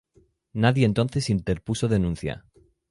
Nadie entonces interpuso denuncia.